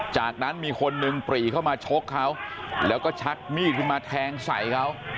จากนั้นมีคนหนึ่งปรีเข้ามาชกเขาแล้วก็ชักมีดขึ้นมาแทงใส่เขา